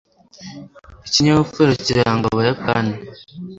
ikinyabupfura kiranga abayapani